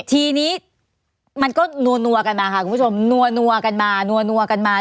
ทีนี้มันก็นัวกันมาค่ะคุณผู้ชมนัวกันมานัวกันมา